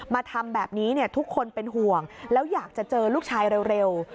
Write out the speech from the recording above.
มาทำแบบนี้ทุกคนเป็นห่วงแล้วอยากจะเจอลูกชายเร็ว